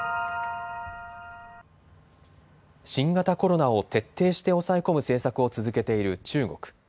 新型コロナを徹底して抑え込む政策を続けている中国。